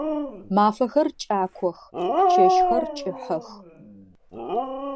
Мафэхэр кӏакох, чэщхэр кӏыхьэх.